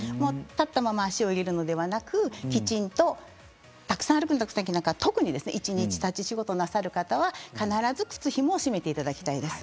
立ったまま足を入れるのではなくきちんとたくさん歩くんだったら特にですね一日立ち仕事なさる方も必ず靴ひもを結んでいただきたいです。